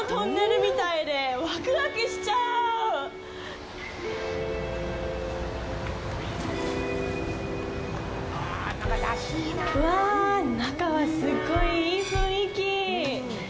うわ、中はすっごいいい雰囲気。